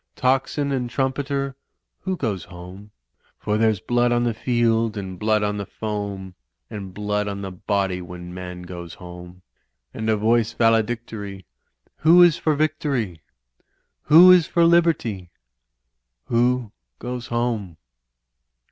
Tocsin and trumpeter! Who goes home? For there's blood on the field and blood on the foam, And blood on the body when man goes home. And a voice valedictory — ^Who is for Victory? Who is for Liberty? Who goes home?"